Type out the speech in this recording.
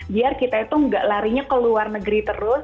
biar kita itu nggak larinya ke luar negeri terus